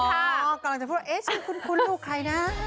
กำลังจะพูดว่าชื่อคุณลูกใครนะ